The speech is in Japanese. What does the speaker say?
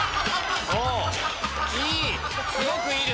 いい！